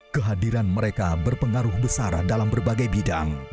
kehadiran mereka berpengaruh besar dalam berbagai bidang